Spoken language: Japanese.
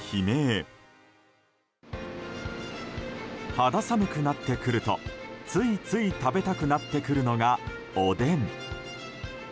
肌寒くなってくるとついつい食べたくなってくるのがおでん。